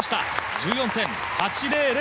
１４．８００。